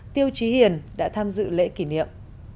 tiêu trí hiền đã tham dự lễ kỷ niệm